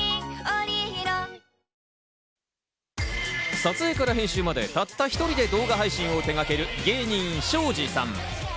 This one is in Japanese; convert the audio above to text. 撮影から編集までたった１人で動画配信を手がける芸人・庄司さん。